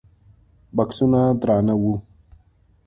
بکسونه درانه وو.